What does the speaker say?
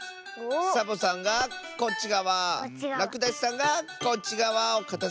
サボさんがこっちがわらくだしさんがこっちがわをかたづけるんだね。